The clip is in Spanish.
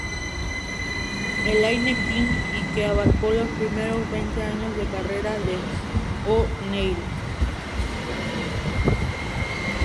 Elaine King y que abarcó los primeros veinte años de carrera de O'Neill.